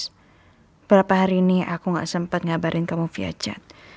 beberapa hari ini aku gak sempat ngabarin kamu via cat